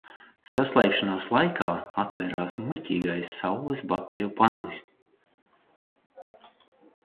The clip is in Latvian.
Saslēgšanās laikā atvērās kļūmīgais saules bateriju panelis.